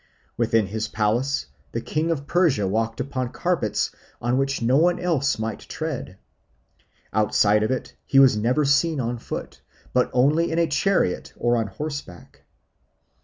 Within his palace the king of Persia walked on carpets on which no one else might tread; outside of it he was never seen on foot but only in a chariot or on horseback.